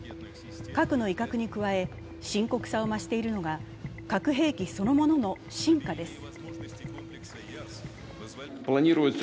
核の威嚇に加え深刻さを増しているのが核兵器そのものの進化です。